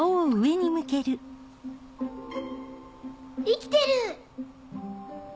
生きてる！